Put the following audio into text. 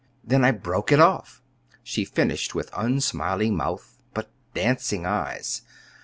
Then I broke it off," she finished, with unsmiling mouth, but dancing eyes.